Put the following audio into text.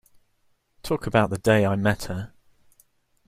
Talk about the day I met her.